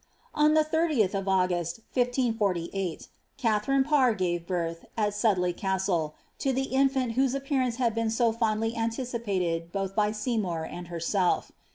'On the 30th of August, 1548, Katharine Parr gave birth, at Sudley OHtle, to the infant whose appearance had been so fondly anticipated both by Seymour and herself.